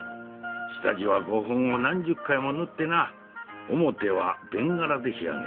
下地は胡粉を何十回も塗ってな表は紅がらで仕上げる。